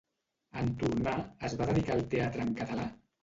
En tornar, es va dedicar al teatre en català?